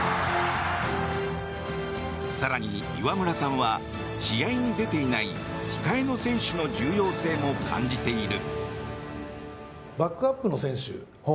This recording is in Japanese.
更に、岩村さんは試合に出ていない控えの選手の重要性も感じている。